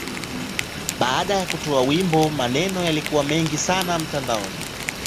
Baada ya kutoa wimbo, maneno yalikuwa mengi sana mtandaoni.